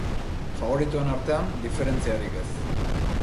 Faboritoen artean, diferentziarik ez.